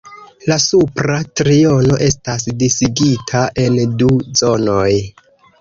La supra triono estas disigita en du zonoj.